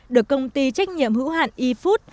được công ty trách nhiệm hữu hạn e food